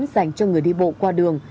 dành cho người đi bộ qua đường